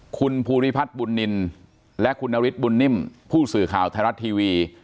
คุณภูริพัฒน์บุญนินและคุณนฤทธบุญนิ่มผู้สื่อข่าวไทยรัฐทีวี